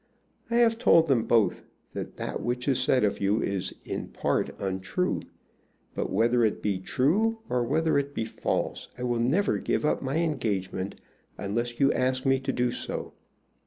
I have told them both that that which is said of you is in part untrue; but whether it be true or whether it be false, I will never give up my engagement unless you ask me to do so.